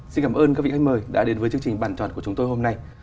xin cảm ơn các vị khách mời đã đến với chương trình bàn tròn của chúng tôi hôm nay